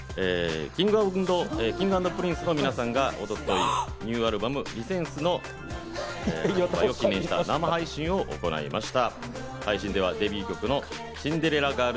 Ｋｉｎｇ＆Ｐｒｉｎｃｅの皆さんが一昨日、ニューアルバム『Ｒｅ：Ｓｅｎｓｅ』の発売を記念した生配信を行いました。